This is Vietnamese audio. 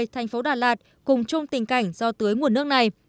thành phố đà lạt cùng chung tình cảnh do tưới nguồn nước này